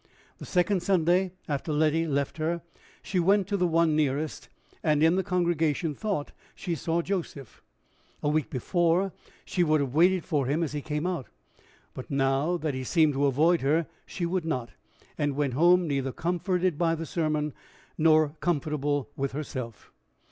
The second Sunday after Letty left her, she went to the one nearest, and in the congregation thought she saw Joseph. A week before, she would have waited for him as he came out, but, now that he seemed to avoid her, she would not, and went home neither comforted by the sermon nor comfortable with herself.